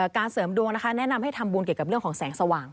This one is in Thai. เสริมดวงนะคะแนะนำให้ทำบุญเกี่ยวกับเรื่องของแสงสว่าง